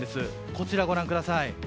こちら、ご覧ください。